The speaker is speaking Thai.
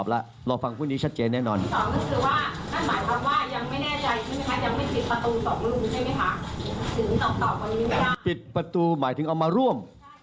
ประตูใหม่ถึงเอามาร่วม